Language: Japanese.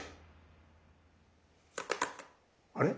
あれ？